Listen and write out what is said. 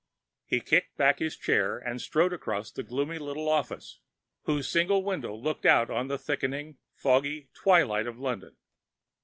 He kicked back his chair and strode across the gloomy little office, whose single window looked out on the thickening, foggy twilight of London.